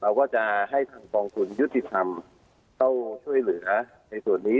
เราก็จะให้ทางกองทุนยุติธรรมเข้าช่วยเหลือในส่วนนี้